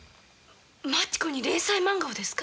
マチ子に連載漫画をですか？